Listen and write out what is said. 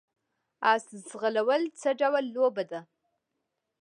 اس ځغلول څه ډول لوبه ده؟